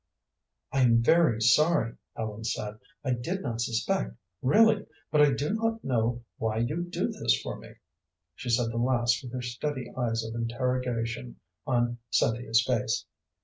"I am very sorry," Ellen said. "I did not suspect, really, but I do not know why you do this for me." She said the last with her steady eyes of interrogation on Cynthia's face.